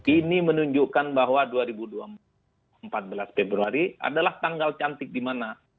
ini menunjukkan bahwa dua ribu empat belas februari adalah tanggal cantik di mana